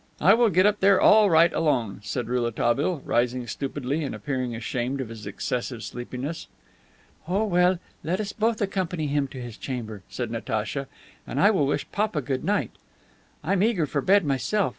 I will get up there all right alone," said Rouletabille, rising stupidly and appearing ashamed of his excessive sleepiness. "Oh, well, let us both accompany him to his chamber," said Natacha, "and I will wish papa good night. I'm eager for bed myself.